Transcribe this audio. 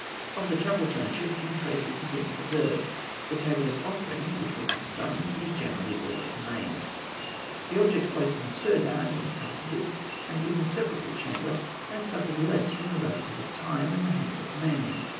Of the chapel furniture few traces have been preserved. The table of offerings, which was of stone, is generally all that remains. The objects placed in the serdab, in the passages, and in the sepulchral chamber, have suffered less from the ravages of time and the hand of man.